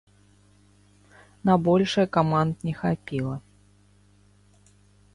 На большае каманд не хапіла.